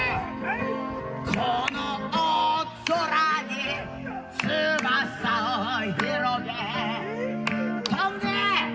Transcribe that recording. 「この大空に翼を広げ」「飛んで」